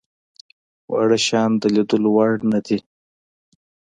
واړه شيان د ليدلو وړ نه دي.